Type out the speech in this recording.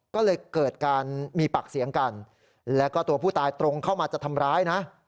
ก็เลยเกิดการมีปากเสียงกันแล้วก็ตัวผู้ตายตรงเข้ามาจะทำร้ายนะ